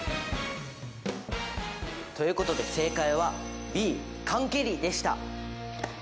ということで正解はＢ缶蹴りでした。